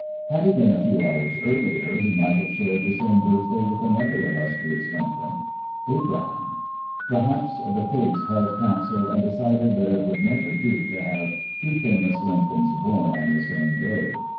Had he been a few hours earlier, he might have shared the same birthday with another illustri ous Lincoln, Abraham. Perhaps the Fates held council and decided that it would never do to have two famous Lincolns born on the same day.